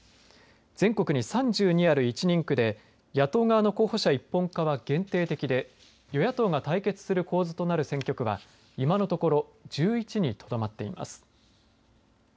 全国に３２ある１人区で野党側の候補者一本化は限定的で与野党が対決する構図となる選挙区は今のところ１１にとどまっています。